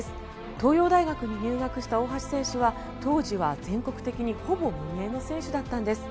東洋大学に入学した大橋選手は、当時は全国的にほぼ無名の選手だったんです。